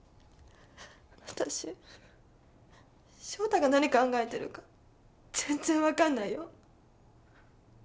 私翔太が何考えてるか全然分かんないよ。